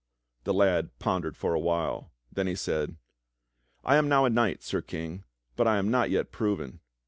The lad pondered for a while, then he said: "I am now a knight. Sir King, but I am not yet proven.